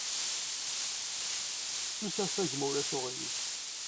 S usafag, ma ulac aɣilif.